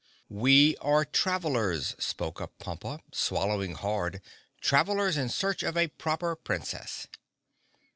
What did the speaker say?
"We are travelers," spoke up Pompa, swallowing hard—"travelers in search of a Proper Princess."